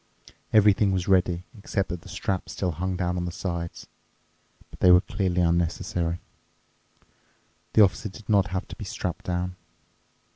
Everything was ready, except that the straps still hung down on the sides. But they were clearly unnecessary. The Officer did not have to be strapped down.